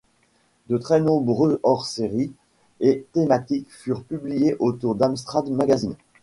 De très nombreux hors-séries et thématiques furent publiés autour d'Amstrad Magazine.